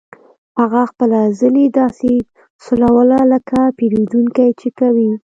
هغه خپله زنې داسې سولوله لکه پیرودونکي چې کوي